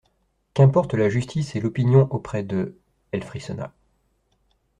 Qu’importent la justice et l’opinion auprès de …» Elle frissonna.